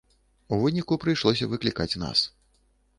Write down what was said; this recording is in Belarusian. У выніку, прыйшлося выклікаць нас.